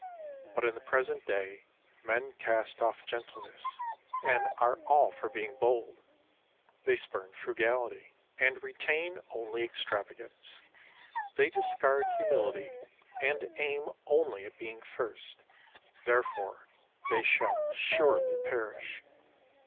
But in the present day men cast off gentleness, and are all for being bold ; they spurn frugality, 35 and retain only extravagance ; they discard humility, and aim only at being first. Therefore they shall surely perish.